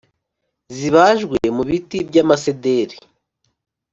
zibajwe mu biti by’amasederi.